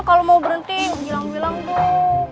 kalau mau berhenti bilang bilang dong